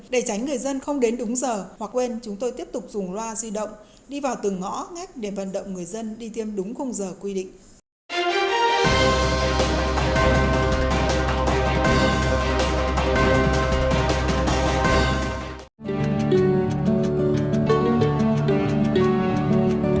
để tránh người dân không đến đúng giờ hoặc quên chúng tôi tiếp tục dùng loa di động đi vào từng ngõ ngách để vận động người dân đi tiêm đúng khung giờ quy định